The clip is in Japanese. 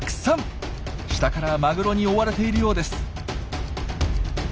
下からマグロに追われているようです。